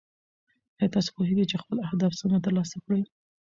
ایا تاسو پوهېږئ چې خپل اهداف څنګه ترلاسه کړئ؟